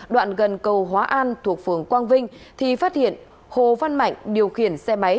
đoạn gần cầu hóa an thuộc phường quang vinh thì phát hiện hồ văn mạnh điều khiển xe máy